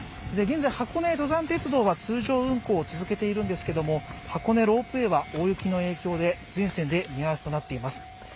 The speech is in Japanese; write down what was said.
現在、箱根登山鉄道は通常運行を続けているんですけれども、箱根ロープウェイは大雪の影響で全線で見合わせとなっています。